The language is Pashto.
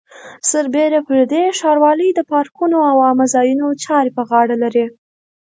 سربېره پر دې ښاروالۍ د پارکونو او عامه ځایونو چارې په غاړه لري.